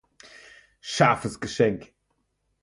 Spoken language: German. Scharfes Geschenk!